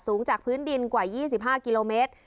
สูงจากพื้นดินกว่ายี่สิบห้ากิโลเมตร